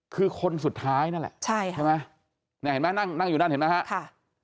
คือคนสุดท้ายนั่นแหละใช่ค่ะใช่ไหมเนี่ยเห็นไหมนั่งนั่งอยู่นั่นเห็นไหมฮะค่ะ